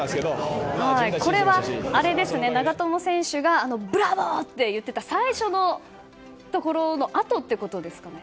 これは、長友選手がブラボー！って言っていた最初のところのあとということですか？